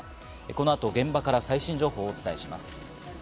この後、現場から最新情報をお伝えします。